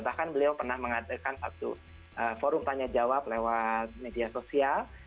bahkan beliau pernah mengadakan satu forum tanya jawab lewat media sosial